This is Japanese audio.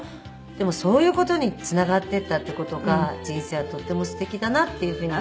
でもそういう事につながっていったっていう事が人生はとってもすてきだなっていうふうに。